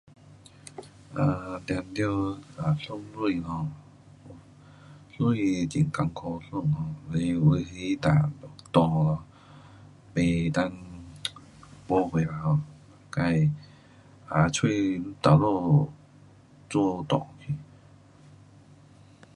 um 当然 um 算钱 um，钱很困苦算 um，因为有时哒错，不能补回来，自 um 找哪里做错去。